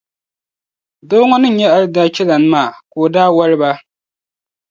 Doo ŋɔ ni nyɛ aadalichi lana maa, ka o daa wɔli ba.